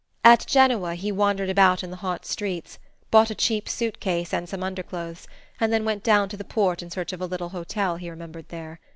At Genoa he wandered about in the hot streets, bought a cheap suit case and some underclothes, and then went down to the port in search of a little hotel he remembered there.